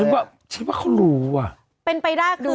นิ่งคิดว่าเขารู้อ่ะ